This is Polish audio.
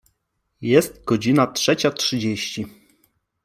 Jest godzina trzecia trzydzieści.